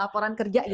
laporan kerja juga ya